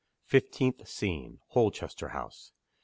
FIFTEENTH SCENE. HOLCHESTER HOUSE.